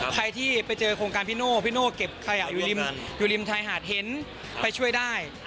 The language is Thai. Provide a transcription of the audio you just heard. ใครที่ไปเจอโครงการพี่โน่พี่โน่เก็บขยะอยู่ริมชายหาดเห็นไปช่วยได้